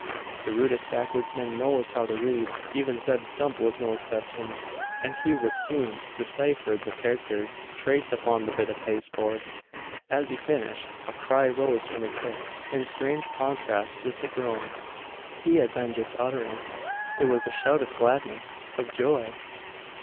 The rudest backwoodsman knows how to read. Even Zeb Stump was no exception; and he soon deciphered the characters traced upon the bit of pasteboard. As he finished, a cry rose from his lips, in strange contrast with the groans he had been just uttering. It was a shout of gladness, of joy!